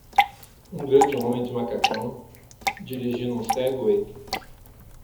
Um grande homem de macacão? dirigindo um Segway.